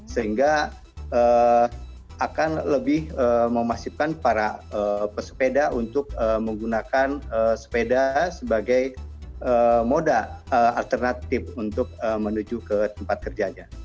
sehingga akan lebih memasifkan para pesepeda untuk menggunakan sepeda sebagai moda alternatif untuk menuju ke tempat kerjanya